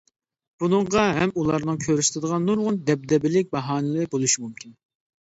بۇنىڭغا ھەم ئۇلارنىڭ كۆرسىتىدىغان نۇرغۇن دەبدەبىلىك باھانىلىرى بولۇشى مۇمكىن.